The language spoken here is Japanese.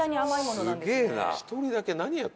すげえな。